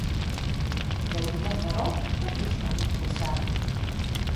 Freegje net wêrom, dat is no ienkear sa.